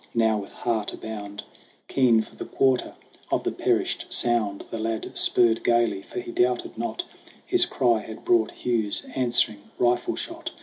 Now, with heart a bound, Keen for the quarter of the perished sound, The lad spurred gaily ; for he doubted not His cry had brought Hugh's answering rifle shot.